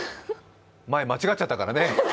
前、間違っちゃったからね。